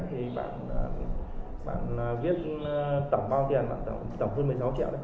thì bạn viết tổng bao tiền khoảng tổng hơn một mươi sáu triệu đấy